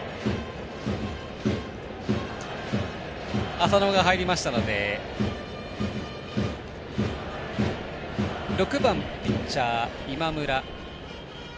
浅野が入りましたので６番、ピッチャー、今村。